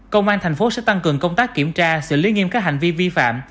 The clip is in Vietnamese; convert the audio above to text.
công an thành phố sẽ tăng cường công tác kiểm tra xử lý nghiêm các hành vi vi phạm